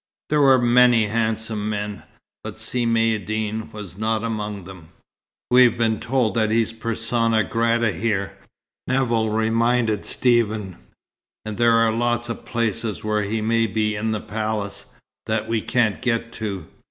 There were many handsome men, but Si Maïeddine was not among them. "We've been told that he's persona grata here," Nevill reminded Stephen, "and there are lots of places where he may be in the palace, that we can't get to.